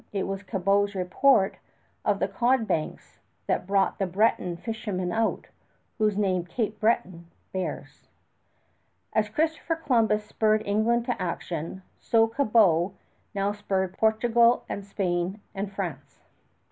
It was Cabot's report of the cod banks that brought the Breton fishermen out, whose name Cape Breton bears. As Christopher Columbus spurred England to action, so Cabot now spurred Portugal and Spain and France.